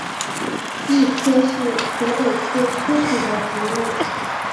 谊柯是壳斗科柯属的植物。